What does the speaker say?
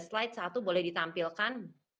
slide satu boleh ditampilkan